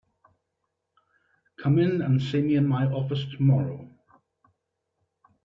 Come in and see me in my office tomorrow.